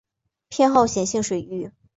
偏好咸性水域。